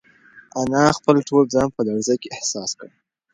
انا خپل ټول ځان په لړزه کې احساس کړ.